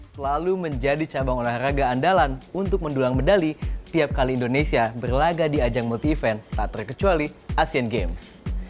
selalu menjadi cabang olahraga andalan untuk mendulang medali tiap kali indonesia berlaga di ajang multi event tak terkecuali asian games